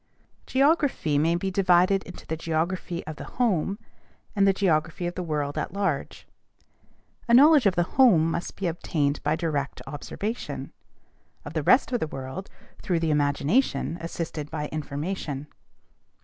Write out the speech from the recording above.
Geography may be divided into the geography of the home and the geography of the world at large. A knowledge of the home must be obtained by direct observation; of the rest of the world, through the imagination assisted by information.